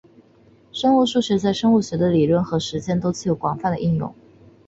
生物数学在生物学的理论和实践中都有广泛的应用。